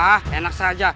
hah enak saja